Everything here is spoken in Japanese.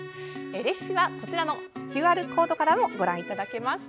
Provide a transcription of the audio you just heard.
レシピはこちらのＱＲコードからご覧いただけます。